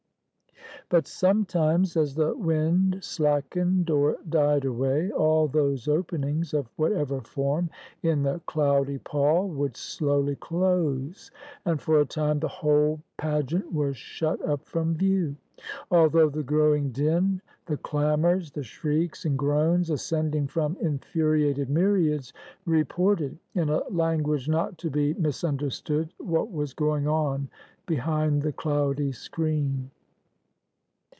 But sometimes, as the wind slackened or died away, all those openings, of whatever form, in the cloudy pall, would slowly close, and for a time the whole page ant was shut up from view; although the growing din, the clamors, the shrieks, and groans ascending from in furiated myriads, reported, in a language not to be mis understood, what was going on behind the cloudy screen.